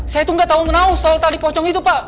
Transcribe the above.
saya itu nggak tahu menahu soal tali pocong itu pak